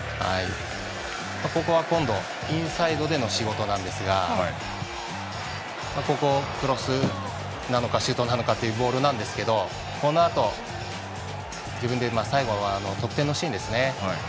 ここは今度インサイドでの仕事なんですがここ、クロスなのかシュートなのかというボールなんですけどこのあと自分で最後は得点のシーンですね。